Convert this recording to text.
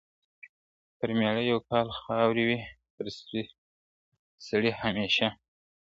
پر مېړه یو کال خواري وي، پر سپي سړي همېشه `